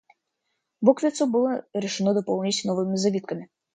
Буквицу было решено дополнить новыми завитками.